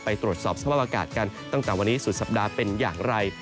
ตรวจสอบสภาพอากาศกันตั้งแต่วันนี้สุดสัปดาห์เป็นอย่างไร